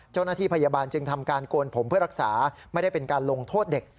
เจ้าหน้าที่พยาบาลจึงทำการโกนผมเพื่อรักษาไม่ได้เป็นการลงโทษเด็ก